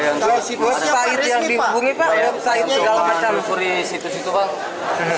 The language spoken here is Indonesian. yang pahitnya juga alamat yang dihubungi situ situ pak